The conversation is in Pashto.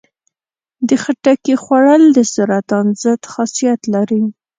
د خټکي خوړل د سرطان ضد خاصیت لري.